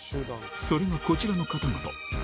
それがこちらの方々。